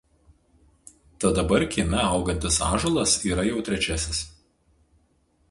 Tad dabar kieme augantis ąžuolas yra jau trečiasis.